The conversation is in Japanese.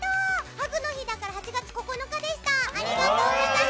ハグの日だから８月９日でした！